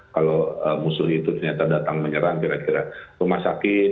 kalau musuh itu ternyata datang menyerang kira kira rumah sakit